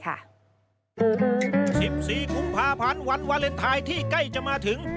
๑๔กุมภาพันธ์วันวาเลนไทยที่ใกล้จะมาถึง